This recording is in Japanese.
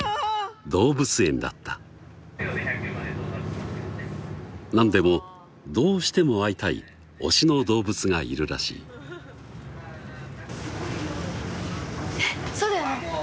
動物園だったなんでもどうしても会いたい推しの動物がいるらしいえっそうだよね！